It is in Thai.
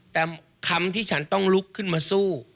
แต่คำที่ฉันต้องลุกขึ้นมาสู้